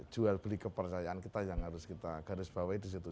jual beli kepercayaan kita yang harus kita garis bawahi di situ